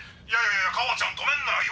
いやいやカワちゃん止めるな。